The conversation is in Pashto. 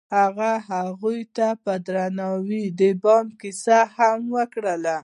هغه هغې ته په درناوي د بام کیسه هم وکړه.